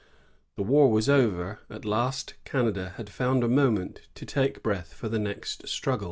The war was over; at least Canada had found a moment to take breath for the next struggle.